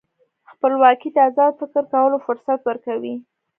خپلواکي د ازاد فکر کولو فرصت ورکوي.